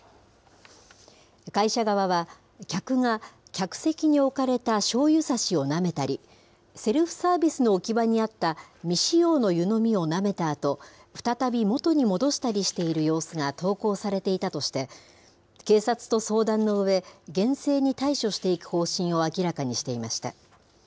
会社側は、客が客席に置かれたしょうゆさしをなめたり、セルフサービスの置き場にあった未使用の湯飲みをなめたあと、再び元に戻したりしている様子が投稿されていたとして、警察と相談のうえ、厳正に対処していく方針を明らかにしていました。